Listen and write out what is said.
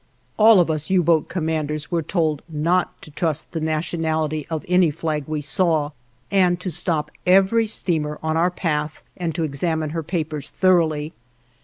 All of us U boat commanders were told not to trust to the nationality of any flag we saw, and to stop every steamer on our path and to examine her papers thoroughly.